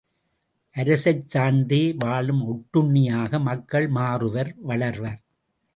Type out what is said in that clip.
அரசைச் சார்ந்தே வாழும் ஒட்டுண்ணியாக மக்கள் மாறுவர் வளர்வர்.